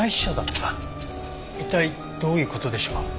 一体どういう事でしょう？